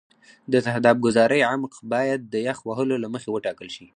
د تهداب ګذارۍ عمق باید د یخ وهلو له مخې وټاکل شي